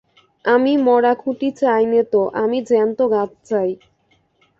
আমি মরা খুঁটি চাই নে তো, আমি জ্যান্ত গাছ চাই।